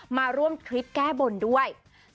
มาร่วมทริปแก้บนด้วย